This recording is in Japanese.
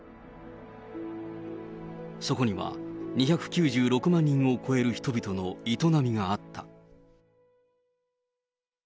そこには、２９６万人を超える人々の営みがあった。